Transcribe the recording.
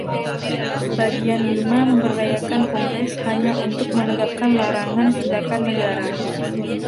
Bagian lima memberdayakan Kongres hanya untuk menegakkan larangan tindakan negara.